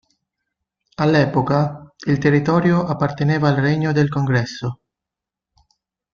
All’epoca, il territorio apparteneva al Regno del Congresso.